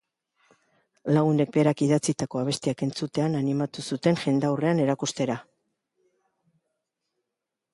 Lagunek berak idatzitako abestiak entzutean animatu zuten jendaurrean erakustera.